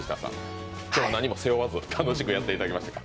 今日は何も背負わずやっていただきましたが？